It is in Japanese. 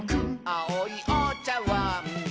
「あおいおちゃわん」